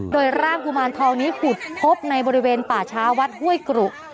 โดยร่างกุมารทองนี้ขุดพบในบริเวณป่าช้าวัดห้วยกรุ